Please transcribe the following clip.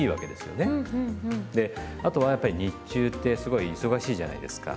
であとはやっぱり日中ってすごい忙しいじゃないですか。